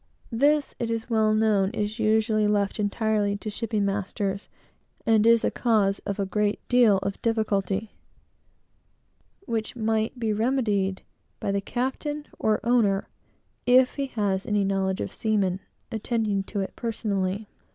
This, it is well known, is usually left entirely to the shipping masters, and is a cause of a great deal of difficulty, which might be remedied by the captain, or owner, if he has any knowledge of seamen, attending to it personally.